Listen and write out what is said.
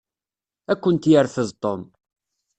Ad kent-yerfed Tom.